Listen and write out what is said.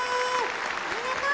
ありがとう！